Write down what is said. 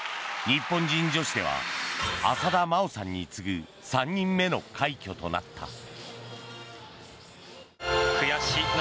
日本人女子では浅田真央さんに次ぐ３人目の快挙となった。